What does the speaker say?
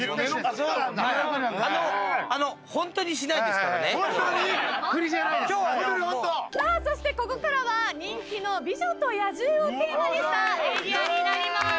さあそしてここからは人気の『美女と野獣』をテーマにしたエリアになります。